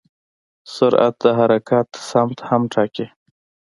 سرعت د حرکت سمت هم ټاکي.